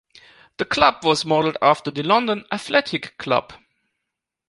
The club was modeled after the London Athletic Club.